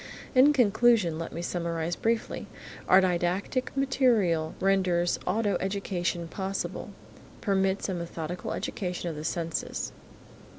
In conclusion, let me summarize briefly: Our didactic material renders auto education possible, permits a methodical education of the senses.